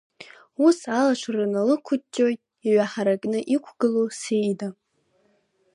Ус алашара налықәы-ҷҷоит иҩаҳаракны иқәгылоу Саида.